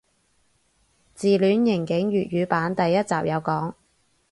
自戀刑警粵語版第一集有講